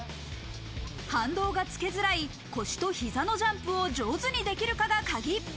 反動がつけづらい腰と膝のジャンプを上手にできるかがカギ。